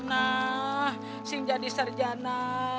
nanti ada sarjana